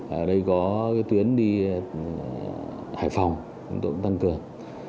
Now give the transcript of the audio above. ở đây có tuyến đi hải phòng chúng tôi cũng tăng cường